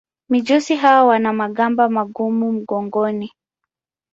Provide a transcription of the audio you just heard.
Mijusi hawa wana magamba magumu mgongoni.